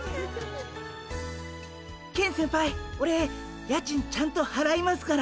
ケン先輩オレ家賃ちゃんとはらいますから。